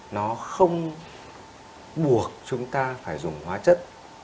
nó không buộc chúng ta phải dùng hóa chất